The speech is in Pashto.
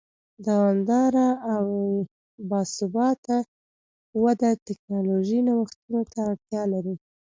دوامداره او با ثباته وده ټکنالوژیکي نوښتونو ته اړتیا لري.